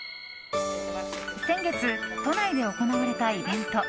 先月都内で行われたイベント。